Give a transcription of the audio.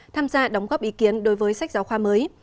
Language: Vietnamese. tham gia đóng góp ý kiến đối với sách giáo khoa mới